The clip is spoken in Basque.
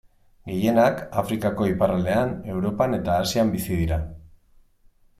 Gehienak, Afrikako iparraldean, Europan eta Asian bizi dira.